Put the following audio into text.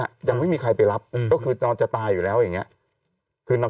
ยังไม่มีใครไปรับอืมก็คือนอนจะตายอยู่แล้วอย่างเงี้ยคือนำ